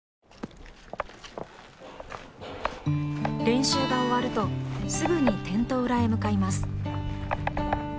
練習が終わるとすぐにテント裏へ向かいます。